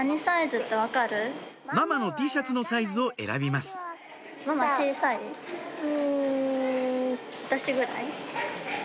ママのＴシャツのサイズを選びますうん。